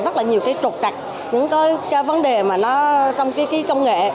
rất là nhiều cái trột cạch những cái vấn đề mà nó trong cái công nghệ